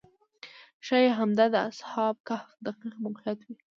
ښایي همدا د اصحاب کهف دقیق موقعیت وي.